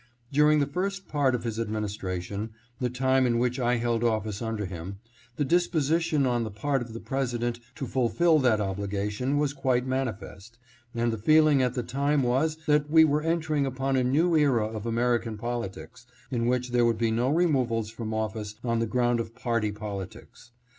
During the first part of his administration, the time in which I held office under him, the disposition on the part of the President to fulfil that obligation was quite manifest, and the feeling at the time was that we were entering upon a new era of American politics, in which there would be no removals from office on the ground of party politics.